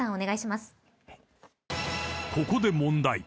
［ここで問題］